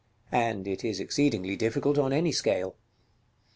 And it is exceedingly difficult on any scale.